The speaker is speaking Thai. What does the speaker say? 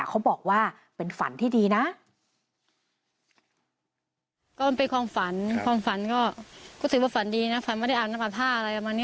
เขาบอกว่าเป็นฝันที่ดีนะ